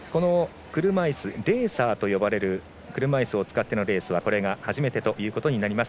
レーサーと呼ばれる車いすを使ってのレースはこれが初めてとなります。